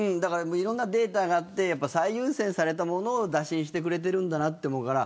いろんなデータがあって最優先されたものを打診してくれているんだと思うから。